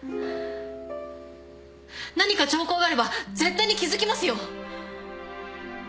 何か兆候があれば絶対に気付きますよ。